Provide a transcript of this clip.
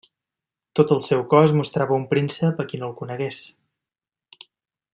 Tot el seu cos mostrava un príncep a qui no el conegués.